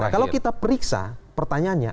kalau kita periksa pertanyaannya